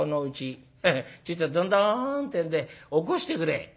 ちょいとドンドンッてえんで起こしてくれ」。